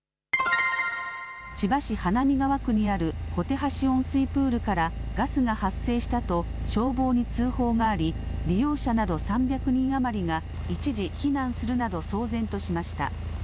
千葉市花見川区にあるこてはし温水プールからガスが発生したと消防に通報があり利用者など３００人余りが一時、避難するなど騒然としました。